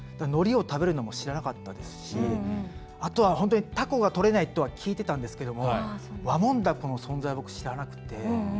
のりを食べるのも知らなかったですしあとは本当にタコがとれないとは聞いてたんですけどもワモンダコの存在は僕、知らなくて。